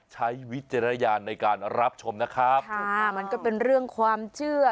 วิจารณญาณในการรับชมนะครับค่ะมันก็เป็นเรื่องความเชื่อ